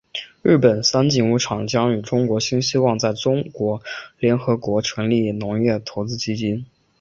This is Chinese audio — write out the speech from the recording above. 日本三井物产将与中国新希望在中国联合成立农业投资基金。